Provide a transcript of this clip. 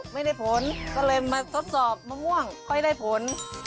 ไม่ได้ผลก็เลยมาทดสอบมะม่วงค่อยได้ผล